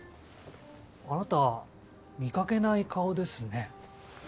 あなた見掛けない顔ですね。